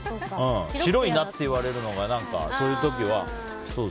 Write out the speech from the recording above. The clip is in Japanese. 白いなって言われるのがそういう時は。